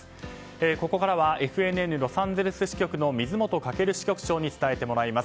ここからはＦＮＮロサンゼルス支局の水本翔支局長に伝えてもらいます。